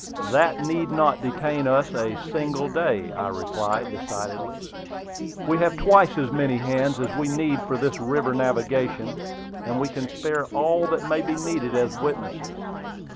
"That need not detain us a single day," I replied, decidedly. "We have twice as many hands as we need for this river navigation; and we can spare all that may be needed as witnesses."